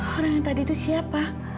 orang yang tadi itu siapa